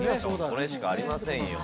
これしかありませんよ